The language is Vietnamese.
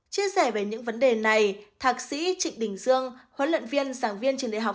chia sẻ về những vấn đề này thạc sĩ trịnh đình dương huấn luyện viên giảng viên trường đại học